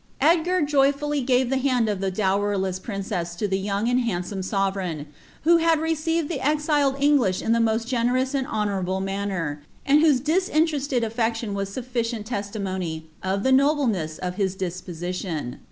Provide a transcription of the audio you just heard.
Edeir Joyfully gave the hand of the dowerleas princess to the youig aaa handsome sovereign, who had received tlie exiled English in the fnoat generous and honourable manner, and whose disinterested BfieciioB «as sulficicnt testimony of iJie nobleness of his disposition.